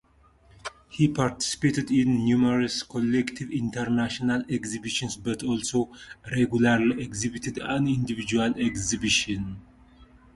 He participated in numerous collective international exhibitions but also regularly exhibited at individual exhibitions.